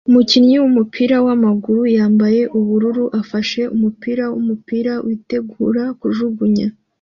Umukinnyi wumupira wamaguru yambaye ubururu ufashe umupira wumupira witegura kujugunya